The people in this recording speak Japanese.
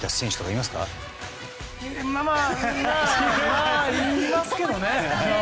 いますけどね。